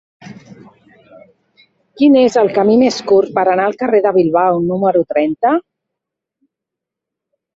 Quin és el camí més curt per anar al carrer de Bilbao número trenta?